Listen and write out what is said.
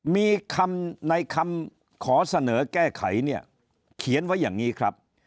มีคำในคำขอเสนอแก้ไขเนี่ยเขียนไว้อย่างนี้ครับ